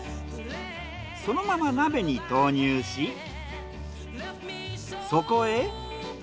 そのまま鍋に投入しそこへ。